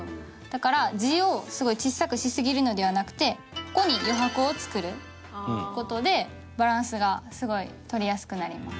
だから字をすごいちっさくしすぎるのではなくてここに余白を作る事でバランスがすごい取りやすくなります。